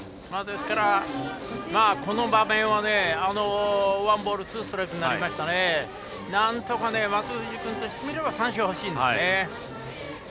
ですから、この場面はワンボール、ツーストライクになりましたのでなんとか松藤君としてみれば三振がほしいですね。